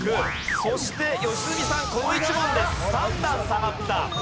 そして良純さんこの１問で３段下がった。